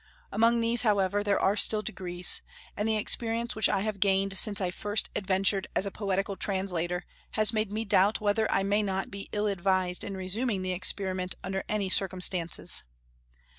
Among these, however, there are still degrees; and the experience which I have gained since I first adventured as a poetical translator has made me doubt whether I may not be ill advised in resuming the experiment under any circumstances.